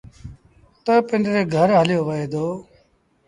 تا پنڊري گھر هليو وهي دو۔